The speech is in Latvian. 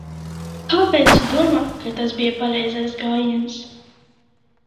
Kāpēc tu domā, ka tas bija pareizais gājiens?